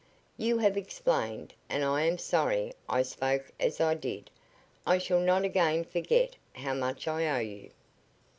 "You have explained, and I am sorry I spoke as I did. I shall not again forget how much I owe you."